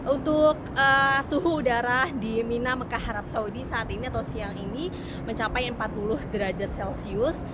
untuk suhu udara di mina mekah arab saudi saat ini atau siang ini mencapai empat puluh derajat celcius